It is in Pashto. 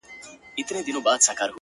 خدايه زارۍ کومه سوال کومه،